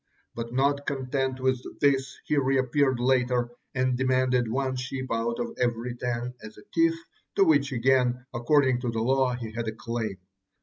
But not content with this, he reappeared later and demanded one sheep out of every ten as a tithe, to which again, according to the law, he had a claim.